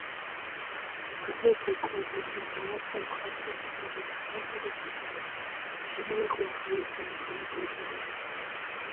აგრეთვე, კოლბერმა დააარსა მხატვრობისა და ქანდაკების აკადემია, შემოიღო ახალი სამოქალაქო კოდექსი.